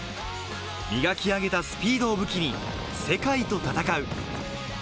磨き上げたスピードを武器に世界と戦う。